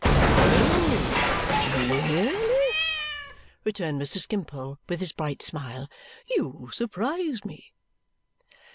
"No, really?" returned Mr. Skimpole with his bright smile. "You surprise me.